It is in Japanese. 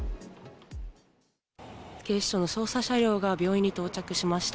警視庁の捜査車両が病院に到着しました。